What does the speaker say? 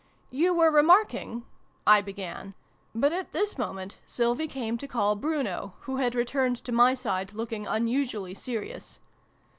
" You were re marking I began : but at this moment Sylvie came to call Bruno, who had returned to my side, looking unusually serious.